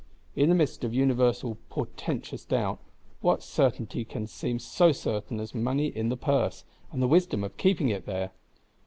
In the midst of universal portentous doubt, what certainty can seem so certain as money in the purse, and the wisdom of keeping it there?